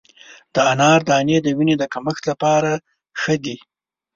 د انار دانې د وینې د کمښت لپاره ښه دي.